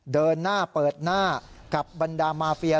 เดินหน้าเปิดหน้ากับบรรดามาเฟีย